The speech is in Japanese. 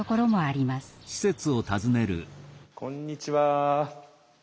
あっこんにちは。